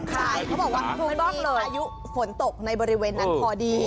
ใช่เขาบอกว่าพายุฝนตกในบริเวณนั้นพอดี